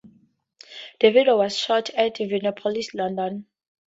The video was shot at Vinopolis, London.